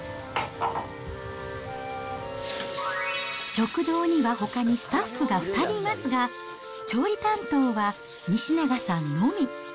食堂にはほかにスタッフが２人いますが、調理担当は西永さんのみ。